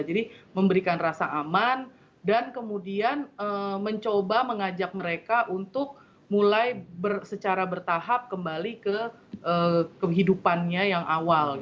jadi memberikan rasa aman dan kemudian mencoba mengajak mereka untuk mulai secara bertahap kembali ke kehidupannya yang awal